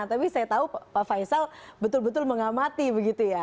tapi saya tahu pak faisal betul betul mengamati begitu ya